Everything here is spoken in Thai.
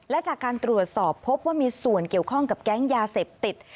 และจากการตรวจสอบพบว่ามีส่วนเกี่ยวข้องกับแก๊งยาเสพติด